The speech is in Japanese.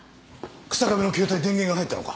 日下部の携帯電源が入ったのか？